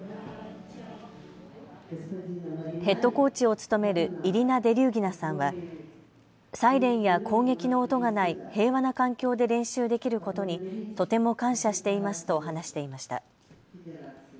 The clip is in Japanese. ヘッドコーチを務めるイリナ・デリューギナさんはサイレンや攻撃の音がない平和な環境で練習できることにとても感謝していますと話していました。